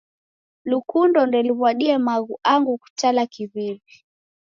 Lukundo ndeluw'adie machu angu kutala kiw'iw'i.